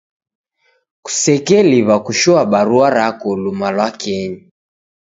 Kusekeliw'a kushoa barua rako luma lwa kenyi.